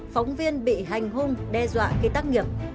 phóng viên bị hành hung đe dọa khi tác nghiệp